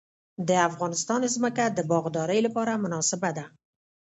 د افغانستان ځمکه د باغدارۍ لپاره مناسبه ده